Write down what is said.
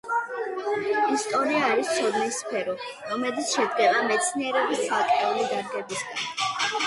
ისტორია არის ცოდნის სფერო, რომელიც შედგება მეცნიერების ცალკეული დარგებისაგან,